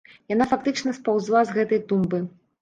Яна фактычна спаўзла з гэтай тумбы.